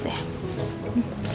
siapa yang ada